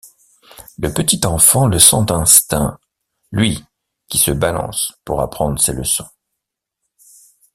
Le petit enfant le sent d'instinct, lui qui se balance pour apprendre ses leçons.